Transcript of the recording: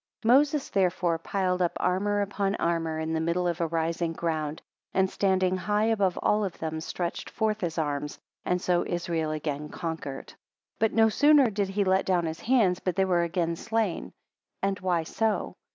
4 Moses therefore I piled up armour upon armour in the middle of a rising ground, and standing up high above all of them, stretched forth his arms, and so Israel again conquered. 5 But no sooner did he let down his hands, but they were again slain. And why so?